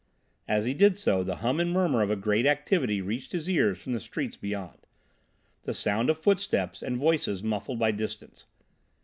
As he did so the hum and murmur of a great activity reached his ears from the streets beyond—the sound of footsteps and voices muffled by distance.